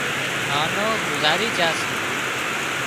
نانوگذارِي جھا سي